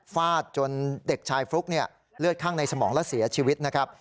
ฟาดจนเด็กชายฟลุ๊กเลือดข้างในสมองและเสียชีวิตนะครับ